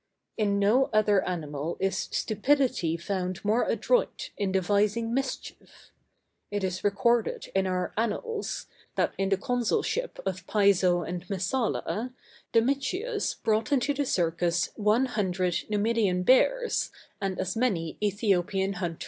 In no other animal is stupidity found more adroit in devising mischief. It is recorded in our Annals, that in the consulship of Piso and Messala, Domitius brought into the Circus one hundred Numidian bears, and as many Æthiopian hunters.